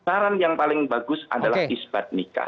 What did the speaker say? saran yang paling bagus adalah isbat nikah